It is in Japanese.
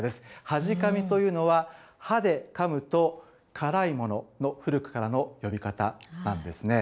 はじかみというのは、歯でかむと辛いものの古くからの呼び方なんですね。